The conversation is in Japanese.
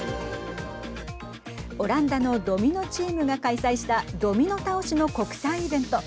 オランダのドミノチームが開催したドミノ倒しの国際イベント。